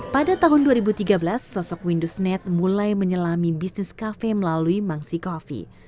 pada tahun dua ribu tiga belas sosok windus net mulai menyelami bisnis kafe melalui mangsi coffee